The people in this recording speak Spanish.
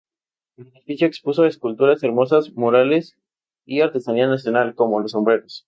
El edificio expuso esculturas, hermosos murales y artesanía nacional, como los sombreros.